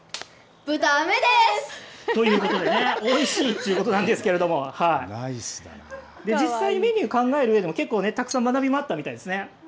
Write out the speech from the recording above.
ということでねおいしいということなんですが実際、メニューを考えるうえで結構たくさん学びもあったみたいですね。